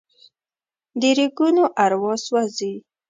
د ریګونو اروا سوزي